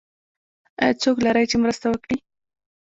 ایا څوک لرئ چې مرسته وکړي؟